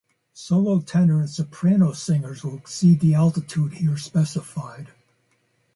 Solo tenor and soprano singers will exceed the altitude here specified.